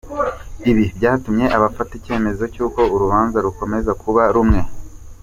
Ibi byatumye afata icyemezo cy’uko urubanza rukomeza kuba rumwe.